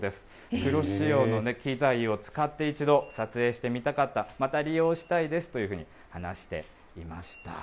プロ仕様の機材を使って一度撮影してみたかった、また利用したいですというふうに話していました。